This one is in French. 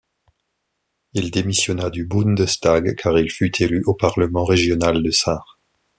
Il démissionna du Bundestag car il fut élu au Parlement régional de Sarre.